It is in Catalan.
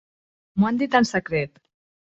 M'ho han dit en secret.